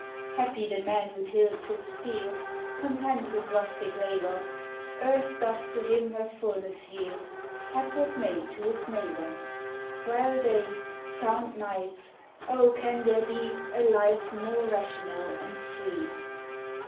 Happy the man who tills his field, Content with rustic labor; Earth does to hiin her fulness yield, Hap what may to his neighbor. Well days, sound nights, oh, can there be A life more rational and free?